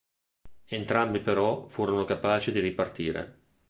Entrambi però furono capaci di ripartire.